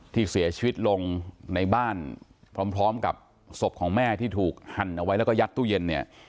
ที่เสียชีวิตลงในบ้านพร้อมกับศพของแม่ที่ถูกหั่นเอาไว้แล้วก็ยัดตู้เย็นเนี่ย